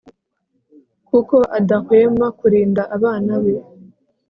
kuko adahwema kurinda abana be